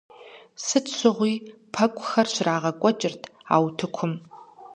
Сыт щыгъуи пэкӀухэр щрагъэкӀуэкӀырт а утыкум.